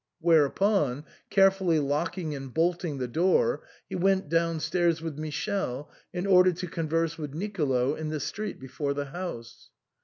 " Whereupon, carefully locking and bolting the door, he went downstairs with Michele, in order to converse with Nicolo in the street before the house.